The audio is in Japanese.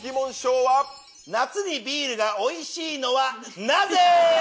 「夏にビールが美味しいのはなぜ？」。